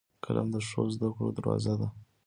قلم د ښو زدهکړو دروازه ده